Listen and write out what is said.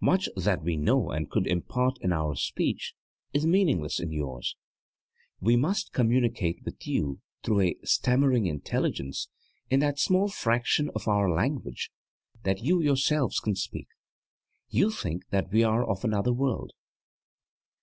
Much that we know and could impart in our speech is meaningless in yours. We must communicate with you through a stammering intelligence in that small fraction of our language that you yourselves can speak. You think that we are of another world.